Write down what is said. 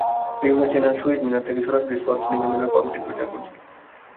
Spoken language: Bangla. বিভিন্ন চ্যানেল শহীদ মিনার থেকে সরাসরি শ্রদ্ধা নিবেদনের পর্বটি প্রচার করছিল।